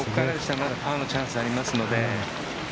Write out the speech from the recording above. パーのチャンスありますので。